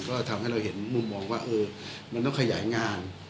ก็ทำให้เราเห็นมุมมองว่ามันต้องขยายงาน